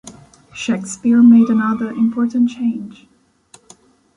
Shakespeare made another important change.